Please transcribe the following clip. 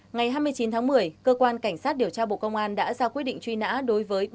ngày hai mươi chín tháng một mươi cơ quan cảnh sát điều tra bộ công an đã ra quyết định truy nã đối với